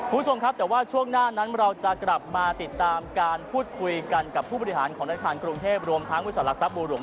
คุณผู้ชมครับแต่ว่าช่วงหน้านั้นเราจะกลับมาติดตามการพูดคุยกันกับผู้บริหารของธนาคารกรุงเทพรวมทั้งบริษัทหลักทรัพย์บัวหลวง